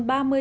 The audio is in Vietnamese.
ba tỷ đồng